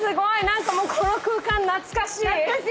何かこの空間懐かしい。